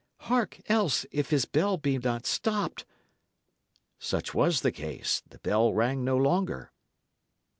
Hark, else, if his bell be not stopped!" Such was the case. The bell rang no longer.